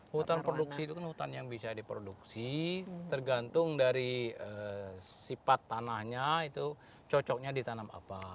hutan produksi itu kan hutan yang bisa diproduksi tergantung dari sifat tanahnya itu cocoknya ditanam apa